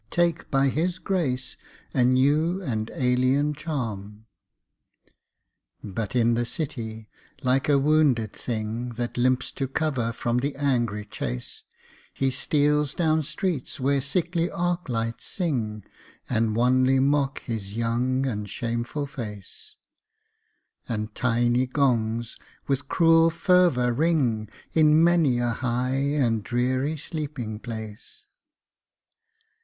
Take by his grace a new and alien charm. But in the city, like a wounded thing That limps to cover from the angry chase, He steals down streets where sickly arc lights sing, And wanly mock his young and shameful face; And tiny gongs with cruel fervor ring In many a high and dreary sleeping place.